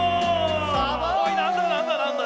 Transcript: おいなんだなんだなんだ？